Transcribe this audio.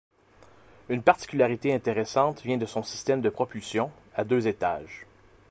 Une particularité intéressante vient de son système de propulsion, à deux étages.